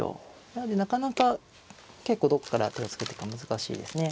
なのでなかなか結構どこから手をつけていくか難しいですね。